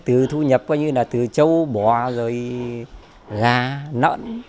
từ thu nhập coi như là từ châu bò rồi gà nợn